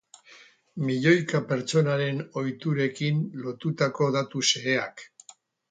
Milioika pertsonaren ohiturekin lotutako datu xeheak.